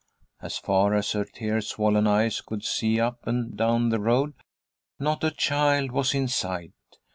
As far as her tear swollen eyes could see up and down the road, not a child was in sight.